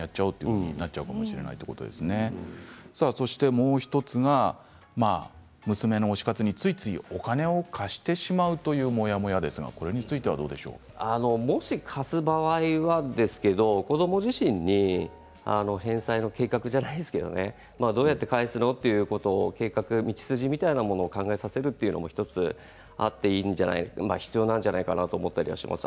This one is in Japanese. もう１つが娘の推し活に、ついついお金を貸してしまうともし貸す場合は子ども自身に返済の計画じゃないですけどどうやって返すの？ということを道筋みたいなものを考えさせるのも１つあっていいんじゃないかな必要なんじゃないかなと思います。